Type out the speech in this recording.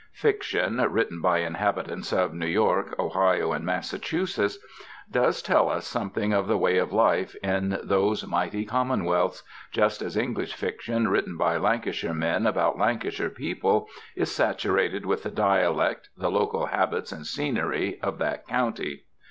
Fiction, written by inhabitants of New York, Ohio, and Massachusetts, does tell us something of the ways of life in those mighty commonwealths, just as English fiction written by Lancashire men about Lancashire people is saturated with the dialect, the local habits and scenery of that county.